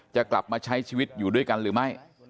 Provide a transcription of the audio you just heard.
จะกลับมาใช้ชีวิตอยู่ด้วยกันหรือไม่